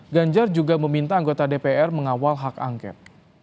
ganjar juga meminta anggota dpr mengawal hak angket